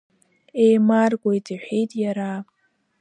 Еимаркуеит, – иҳәеит иара…